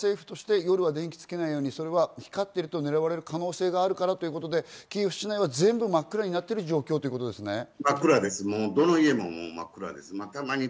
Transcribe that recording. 政府として夜は電気をつけないように、それは光っていると狙われる可能性があるからということで、キエフ市内は全部真っ暗になっている状況ですね？